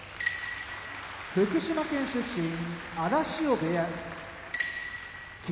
福島県出身荒汐部屋霧